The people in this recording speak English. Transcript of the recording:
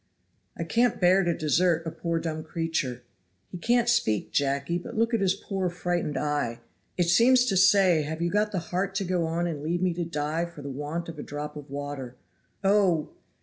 "I can't bear to desert a poor dumb creature. He can't speak, Jacky, but look at his poor frightened eye; it seems to say have you got the heart to go on and leave me to die for the want of a drop of water. Oh!